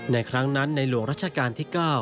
ในครั้งนั้นในหลวงรัชกาลที่๙